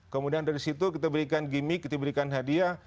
kemudian dari situ kita berikan gimmick kita berikan hadiah